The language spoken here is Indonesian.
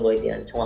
kalian akan tahu